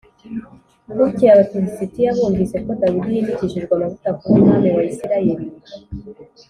Bukeye Abafilisitiya bumvise ko Dawidi yimikishijwe amavuta kuba umwami wa Isirayeli